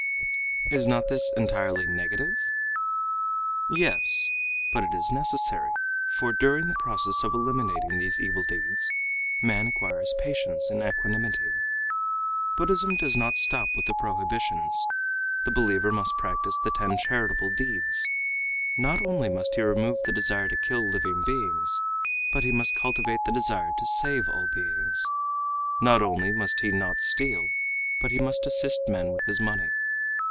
"Is not this entirely negative?" "Yes, but it is necessary, for during the process of eliminating these evil deeds, man acquires patience and equanimity. Buddhism does not stop with the prohibitions. The believer must practice the ten charitable deeds. Not only must he remove the desire to kill living beings, but he must cultivate the desire to save all beings. Not only must he not steal, but he must assist men with his money.